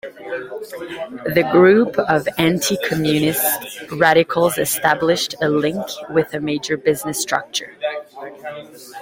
The group of anti-communist radicals established a link with a major business structure.